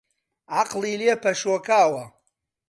عەقڵی لێ پەشۆکاوە